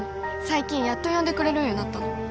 最近やっと呼んでくれるようになったの。